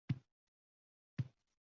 Davosiga ojiz ekan